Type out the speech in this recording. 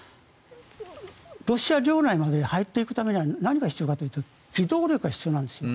ロシア領内まで入っていくためには何が必要かというと機動力が必要なんですよ。